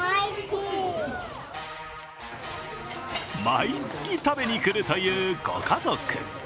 毎月食べにくるというご家族。